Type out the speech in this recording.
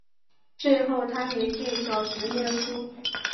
最后她没进小学念书